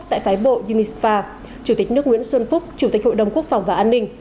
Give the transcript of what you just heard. tại phái bộ dmisfa chủ tịch nước nguyễn xuân phúc chủ tịch hội đồng quốc phòng và an ninh